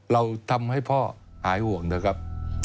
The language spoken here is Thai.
เราทำให้พ่อหายห่วงนะครับ